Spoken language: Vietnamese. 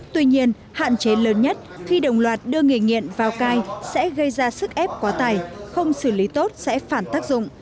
tuy nhiên hạn chế lớn nhất khi đồng loạt đưa người nghiện vào cai sẽ gây ra sức ép quá tài không xử lý tốt sẽ phản tác dụng